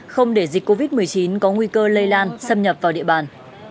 không để dịch covid một mươi chín có nguy cơ lây lan xâm nhập vào địa bàn